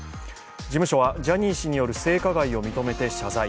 事務所はジャニー氏による性加害を認めて謝罪。